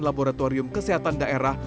laboratorium kesehatan daerah